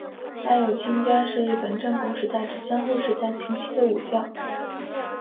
大友亲家是日本战国时代至江户时代前期的武将。